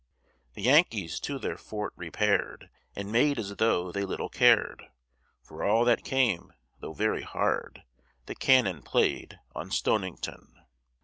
The Yankees to their fort repair'd, And made as though they little cared For all that came though very hard The cannon play'd on Stonington.